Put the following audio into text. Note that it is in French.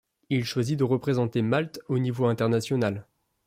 Il choisit de représenter Malte au niveau international.